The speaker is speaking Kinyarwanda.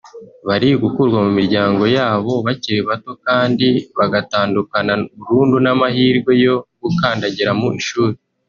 Bari gukurwa mu miryango yabo bakiri bato kandi bagatandukana burundu n’amahirwe yo gukandagira mu ishuri